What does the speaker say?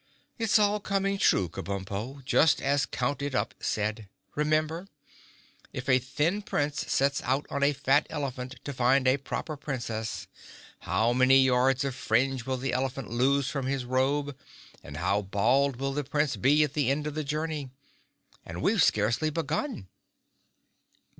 It's all coming true, Kabumpo, just as Count It Up said. Remember? 'If a thin Prince sets out on a fat elephant to find a Proper Princess, how many yards of fringe will the elephant lose from his robe and how bald will the Prince be at the end of the journey?' And we've scarcely begun!"